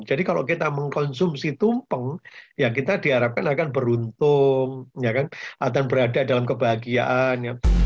jadi kalau kita mengkonsumsi tumpeng ya kita diharapkan akan beruntung akan berada dalam kebahagiaan